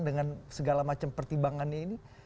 dengan segala macam pertimbangannya ini